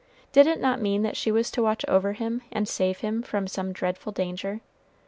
Did it not mean that she was to watch over him and save him from some dreadful danger?